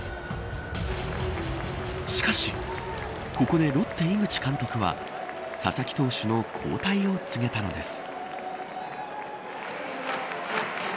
しかし、ここでロッテ井口監督は佐々木投手の交代を告げたのです。